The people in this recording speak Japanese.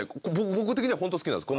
僕的にはホント好きなんです。